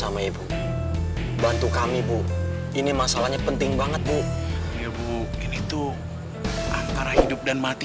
sama ibu bantu kami bu ini masalahnya penting banget bu iya bu ini tuh antara hidup dan mati